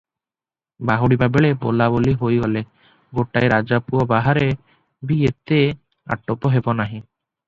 ବାହୁଡ଼ିବା ବେଳେ ବୋଲାବୋଲି ହୋଇ ଗଲେ, ଗୋଟାଏ ରଜାପୁଅ ବାହାରେ ବି ଏତେ ଆଟୋପ ହେବ ନାହିଁ ।